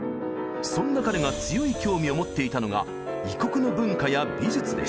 そんな彼が強い興味を持っていたのが異国の文化や美術でした。